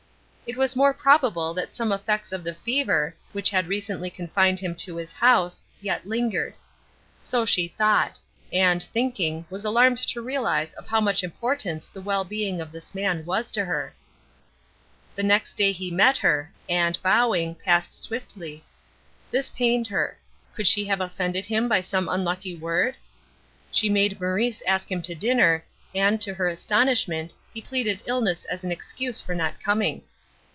It was more probable that some effects of the fever, which had recently confined him to his house, yet lingered. So she thought; and, thinking, was alarmed to realize of how much importance the well being of this man was to her. The next day he met her, and, bowing, passed swiftly. This pained her. Could she have offended him by some unlucky word? She made Maurice ask him to dinner, and, to her astonishment, he pleaded illness as an excuse for not coming.